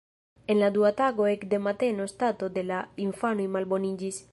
En la dua tago ekde mateno stato de la infanoj malboniĝis.